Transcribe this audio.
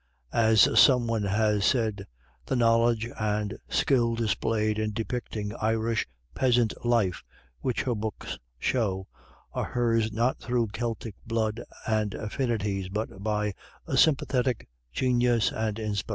As some one has said, the knowledge and skill displayed in depicting Irish peasant life, which her books show, are hers not through Celtic blood and affinities, but by a sympathetic genius and inspiration.